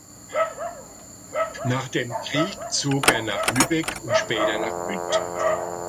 Nach dem Krieg zog er nach Lübeck und später nach München.